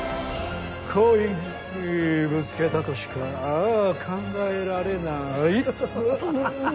故意にぶつけたとしか考えられない。